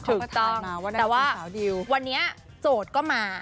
ถูกต้องแต่ว่าวันนี้โจทย์ก็มา